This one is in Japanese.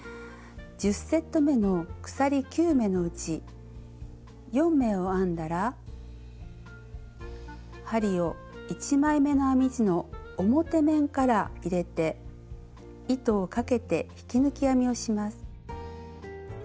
１０セットめの鎖９目のうち４目を編んだら針を１枚めの編み地の表面から入れて糸をかけて引き抜き編みをします。